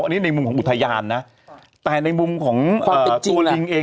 อันนี้ในมุมของอุทยานนะแต่ในมุมของความเป็นตัวลิงเอง